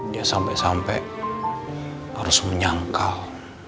dia sampai sampai harus menyangkal